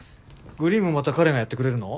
グリーンもまた彼がやってくれるの？